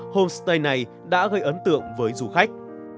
homestay này đã gây ấn tượng với du khách